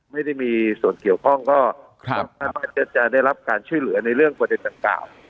ไม่ได้มีส่วนเกี่ยวข้องก็คาดว่าจะได้รับการช่วยเหลือในเรื่องประเด็นดังกล่าว